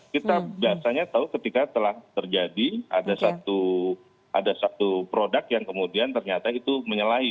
kita biasanya tahu ketika telah terjadi ada satu produk yang kemudian ternyata itu menyalahi